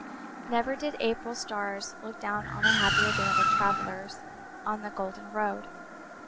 Never did April stars look down on a happier band of travellers on the golden road.